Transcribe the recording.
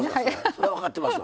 そら分かってますわ。